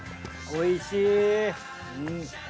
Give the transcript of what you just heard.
おいしーい！